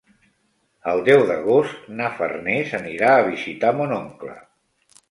El deu d'agost na Farners anirà a visitar mon oncle.